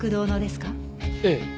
ええ。